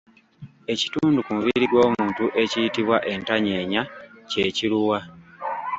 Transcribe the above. Ekitundu ku mubiri gw’omuntu ekiyitibwa ‘entanyeenya’ kye kiruwa?